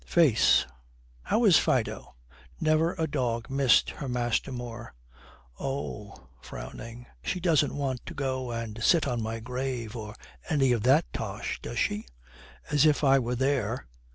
'Face. How is Fido?' 'Never a dog missed her master more.' 'Oh,' frowning. 'She doesn't want to go and sit on my grave, or any of that tosh, does she? As if I were there!'